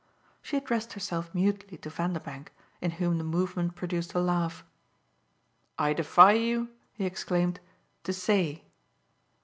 She addressed herself mutely to Vanderbank, in whom the movement produced a laugh. "I defy you," he exclaimed, "to say!"